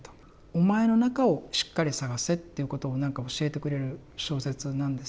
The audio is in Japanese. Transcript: お前の中をしっかり探せっていうことをなんか教えてくれる小説なんですよね。